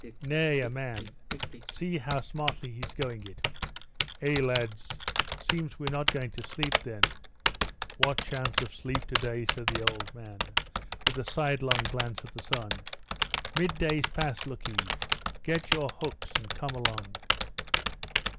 "Nay, a man! See how smartly he's going it!" "Eh, lads! seems we're not going to sleep, then?" "What chance of sleep today!" said the old man, with a sidelong look at the sun. "Midday's past, look ee! Get your hooks, and come along!"